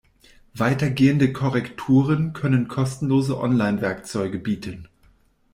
Weitergehende Korrekturen können kostenlose Online-Werkzeuge bieten.